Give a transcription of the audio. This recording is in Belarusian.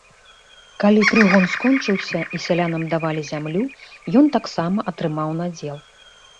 Калі прыгон скончыўся і сялянам давалі зямлю, ён таксама атрымаў надзел.